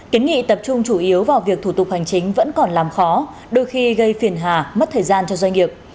kiến nghị tập trung chủ yếu vào việc thủ tục hành chính vẫn còn làm khó đôi khi gây phiền hà mất thời gian cho doanh nghiệp